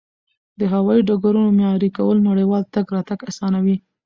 د هوایي ډګرونو معیاري کول نړیوال تګ راتګ اسانوي.